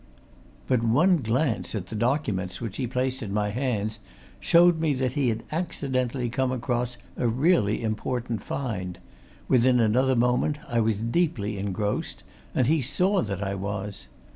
But one glance at the documents which he placed in my hands showed me that he had accidentally come across a really important find; within another moment I was deeply engrossed, and he saw that I was.